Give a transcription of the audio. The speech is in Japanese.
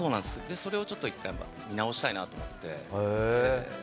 それをちょっと１回見直したいなと思って。